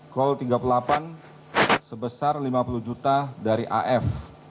kol tiga puluh delapan sebesar lima puluh juta dari af